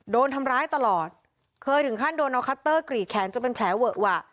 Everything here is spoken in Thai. โดนทำร้ายตลอดเคยถึงขั้นโดนเอาคัตเตอร์กรีดแขนจนเป็นแผลเวอะวะ